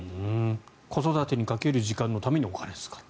子育てにかける時間のためにお金を使う。